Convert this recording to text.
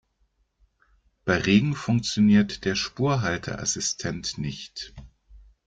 Bei Regen funktioniert der Spurhalteassistent nicht.